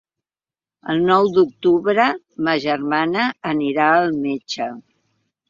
El nou d'octubre ma germana anirà al metge.